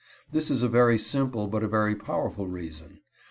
This is a very simple but a very powerful reason.